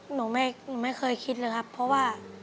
หนูไม่เคยคิดเลยครับเพราะว่า